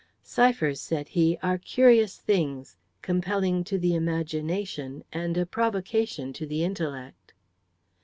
"Ciphers," said he, "are curious things, compelling to the imagination and a provocation to the intellect."